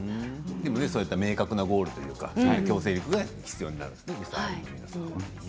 そういう明確なゴールというか強制が必要になるんですね。